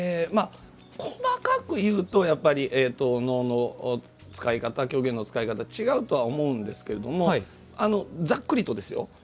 細かく言うと能の使い方、狂言の使い方違うとは思うんですけどもざっくりとですよ。